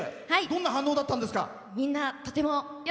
どんな反応だったんですか？